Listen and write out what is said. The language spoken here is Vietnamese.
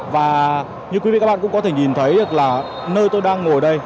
và như quý vị các bạn cũng có thể nhìn thấy nơi tôi đang ngồi đây